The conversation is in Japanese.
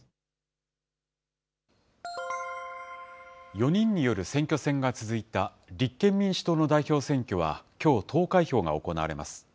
４人による選挙戦が続いた立憲民主党の代表選挙は、きょう、投開票が行われます。